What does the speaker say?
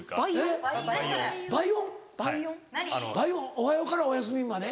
おはようからおやすみまで？